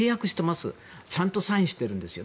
ちゃんとサインしてるんですよ。